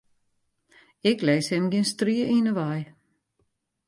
Ik lis him gjin strie yn 'e wei.